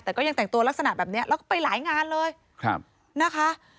แต่ก็ยังแต่งตัวลักษณะแบบนี้แล้วก็ไปหลายงานเลยนะคะ